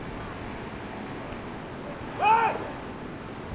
・おい！